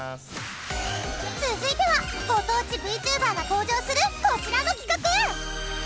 続いてはご当地ＶＴｕｂｅｒが登場するこちらの企画！